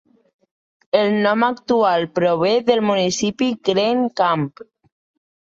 El nom actual prové del municipi Green Camp.